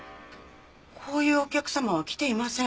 こういうお客様は来ていません。